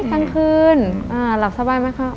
กลางคืนหลับสบายไหมคะ